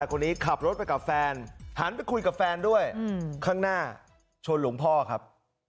คนนี้ขับรถไปกับแฟนหันไปคุยกับแฟนด้วยข้างหน้าชนหลวงพ่อครับ